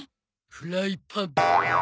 フライパン。